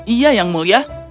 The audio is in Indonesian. iya yang mulia